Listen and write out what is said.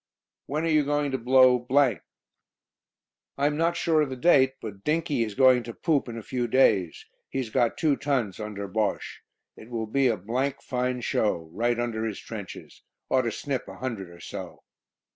"When are you going to 'blow' ?" "I am not sure of the date, but 'Dinkie' is going to 'poop' in a few days. He's got two tons under Bosche. It will be a fine show; right under his trenches. Ought to snip a hundred or so."